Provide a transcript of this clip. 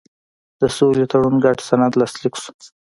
د سولې تړون ګډ سند لاسلیک شو.